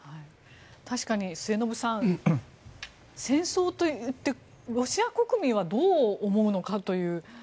確かに末延さん戦争と言ってロシア国民はどう思うのかという。